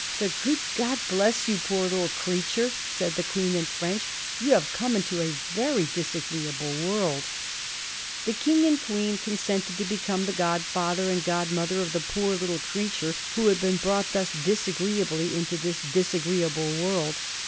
" The good God bless you, poor little creature," said the Queen in French; "you have come into a very disagreeable world !" The King and Queen consented to become the godfather and godmother of the poor little creature who had been brought thus disagreeably into this disagreeable world.